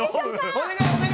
お願い！